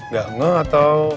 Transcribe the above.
gak ngeh atau